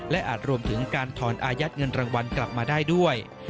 และอาจรวมถึงการถอนอายัดเงินรางวัลกลับมาได้ด้วย